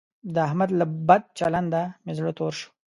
د احمد له بد چلنده مې زړه تور شو.